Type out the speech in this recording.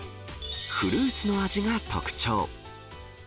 フルーツの味が特徴。